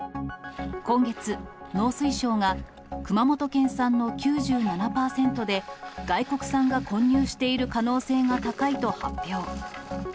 今月、農水省が熊本県産の９７％で、外国産が混入している可能性が高いと発表。